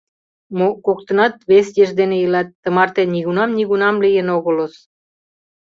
Мо коктынат вес еш дене илат, тымарте нигунам-нигунам лийын огылыс.